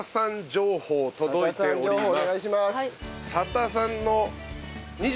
情報届いております。